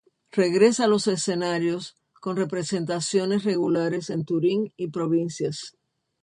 Regresa a los escenarios con representaciones regulares en Turín y provincias.